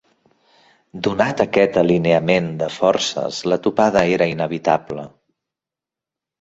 Donat aquest alineament de forces, la topada era inevitable